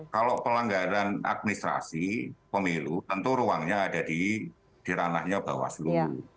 kalau pelanggaran administrasi pemilu tentu ruangnya ada di ranahnya bawaslu